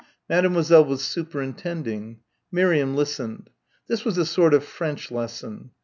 Mademoiselle was superintending. Miriam listened. This was a sort of French lesson.